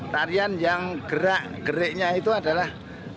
tarian yang gerak geriknya itu adalah